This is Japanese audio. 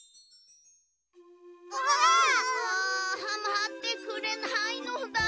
まってくれないのだ。